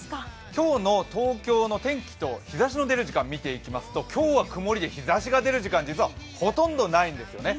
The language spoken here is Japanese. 今日の東京の天気と日ざしの出る時間を見ていきますと日ざしが出る時間実はほとんどないんですね。